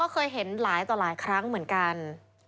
เคยเห็นหลายต่อหลายครั้งเหมือนกัน